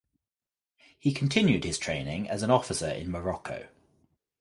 He continued his training as an officer in Morocco.